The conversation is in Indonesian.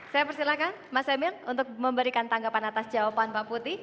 saya persilahkan mas emil untuk memberikan tanggapan atas jawaban mbak putih